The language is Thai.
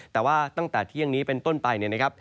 แต่ว่าตั้งแต่เที่ยงนี้เป็นต้นไปเนี่ยนะครับ